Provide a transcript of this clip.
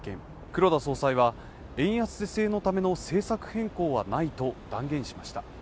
黒田総裁は円安是正のための政策変更はないと断言しました。